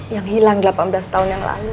yang hilang delapan belas tahun yang lalu